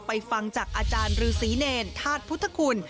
ไปฟังจากอาจารย์หรือสีเนนธาตุพุทธคุณ